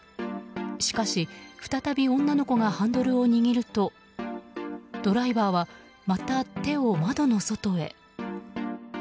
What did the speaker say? しかし、再び女の子がハンドルを握るるとドライバーはまた手を窓の外へ。